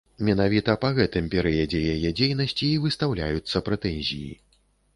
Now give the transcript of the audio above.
Менавіта па гэтым перыядзе яе дзейнасці і выстаўляюцца прэтэнзіі.